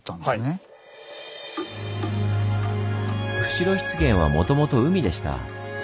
釧路湿原はもともと海でした。